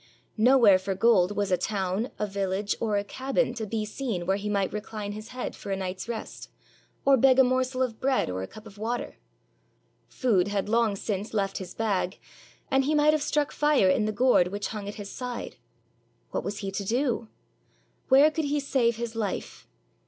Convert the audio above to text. Nowhere for gold was a town, a village, or a cabin to be seen where he might recline his head for a night's rest, or beg a morsel of bread or a cup of water. Food had long since left his bag, and he might have struck fire in the gourd which hung at his side. What was he to do? Where could he save his life?